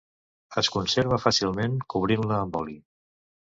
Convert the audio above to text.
Es conserva fàcilment cobrint-la amb oli.